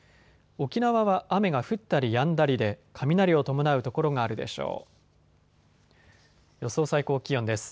沖縄は雨が降ったりやんだりで雷を伴う所があるでしょう。